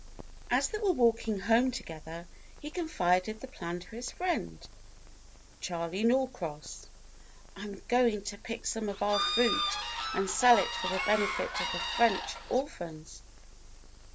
As they were walking home together he confided the plan to his friend, Charley Norcross. "I am go ing to pick some of our fruit and sell it for the benefit of the French orphans."